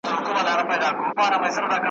او سمدستي مي څو عکسونه واخیستل `